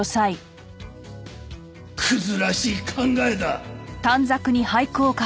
クズらしい考えだ。